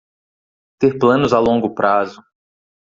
Ter planos a longo prazo